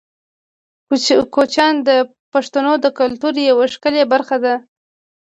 کوچیان د پښتنو د کلتور یوه ښکلې برخه ده.